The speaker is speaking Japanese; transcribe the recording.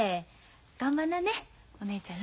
頑張んなねお姉ちゃんね。